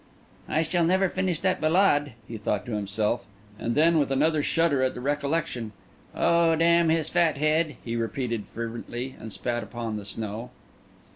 "I shall never finish that ballade," he thought to himself; and then, with another shudder at the recollection, "Oh, damn his fat head!" he repeated fervently, and spat upon the snow.